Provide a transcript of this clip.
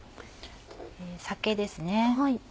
酒ですね。